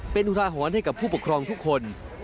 เป็นอุทาหรณ์ให้กับผู้ปกครองทุกคน